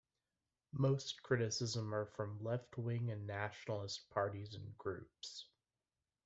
Most criticism are from left-wing and nationalist parties and groups.